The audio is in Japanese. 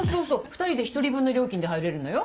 ２人で１人分の料金で入れるのよ。